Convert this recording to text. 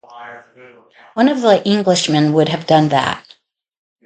One of the Englishmen would have done that.